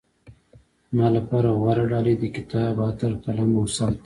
زما لپاره غوره ډالۍ د کتاب، عطر، قلم او ساعت ده.